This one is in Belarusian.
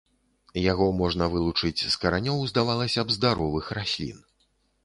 Яго можна вылучыць з каранёў, здавалася б, здаровых раслін.